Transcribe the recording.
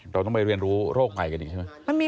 เราต้องไปเรียนรู้โรคใหม่กันอีกใช่ไหม